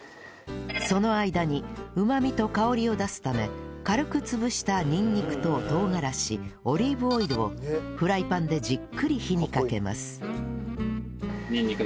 その間にうまみと香りを出すため軽く潰したにんにくと唐辛子オリーブオイルをフライパンでじっくり火にかけます